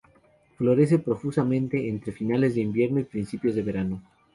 Florece profusamente entre finales de invierno y principios de verano.